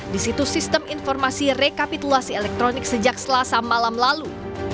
di situ sistem informasi rekapitulasi elektronik sejak selasa malam lalu